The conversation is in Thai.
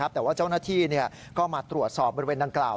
แต่ว่าเจ้าหน้าที่ก็มาตรวจสอบบริเวณดังกล่าว